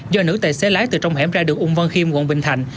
do nữ tài xế lái từ trong hẻm ra đường ún văn khiêm quận bình thành